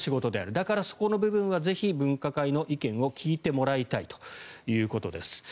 だからそこの部分はぜひ、分科会の意見を聞いてもらいたいということです。